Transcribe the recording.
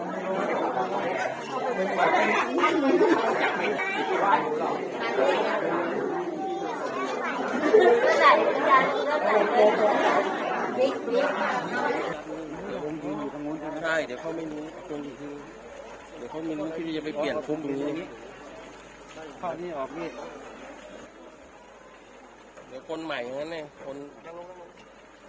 พี่ยากงว่าจะเปลี่ยนมันตรงนี้